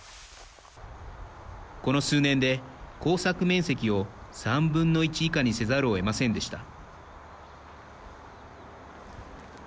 この数年で耕作面積を３分の１以下にせざるをえませんでした。